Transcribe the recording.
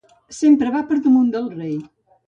Sempre va per damunt del rei.